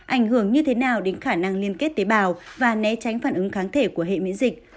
ảnh hưởng như thế nào đến khả năng liên kết tế bào và né tránh phản ứng kháng thể của hệ miễn dịch